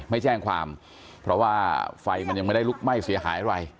ไม่แจ้งความเพราะว่าไฟมันยังไม่ได้ลุกไหม้เสียหายอะไร